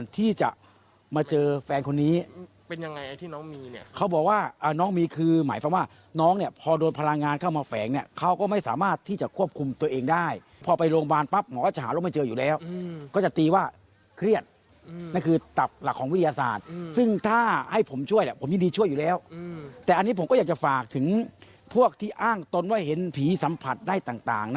แต่อันนี้ผมก็อยากจะฝากถึงพวกที่อ้างตนว่าเห็นผีสัมผัสได้ต่าง